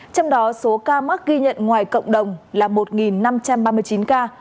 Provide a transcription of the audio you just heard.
trong đó số ca mắc ghi nhận ngoài cộng đồng là một năm trăm ba mươi chín ca